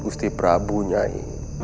gusti prabu nyai